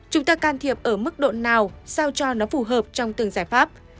chúng ta can thiệp ở mức độ nào sao cho nó phù hợp trong từng giải pháp